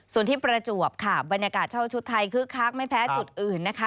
ส่วนที่ประจวบค่ะบรรยากาศเช่าชุดไทยคึกคักไม่แพ้จุดอื่นนะคะ